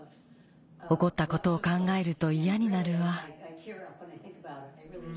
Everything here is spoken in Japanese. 起こったことを考えると嫌になるわ。